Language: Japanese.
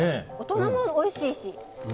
大人もおいしいし。